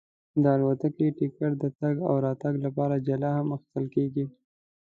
د الوتکې ټکټ د تګ او راتګ لپاره جلا هم اخیستل کېږي.